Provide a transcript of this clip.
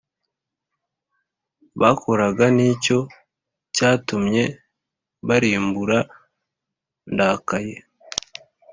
bakoraga ni cyo cyatumye mbarimbura ndakaye